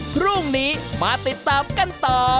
พรุ่งนี้มาติดตามกันต่อ